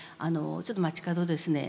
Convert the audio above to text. ちょっと街角でですね